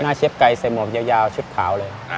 หน้าเชฟไก่ใส่หมวกยาวเชฟขาวเลย